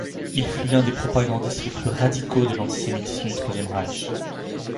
Il fut l'un des propagandistes les plus radicaux de l’antisémitisme du Troisième Reich.